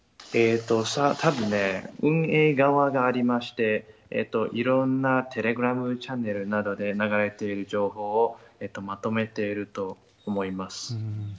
たぶん、運営側がありまして、いろんなテレグラムチャンネルなどで流れている情報をまとめていると思います。